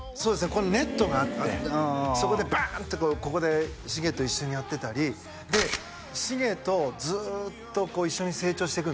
ここにネットがあってそこでバンってここでしげと一緒にやってたりでしげとずっと一緒に成長していくんですよ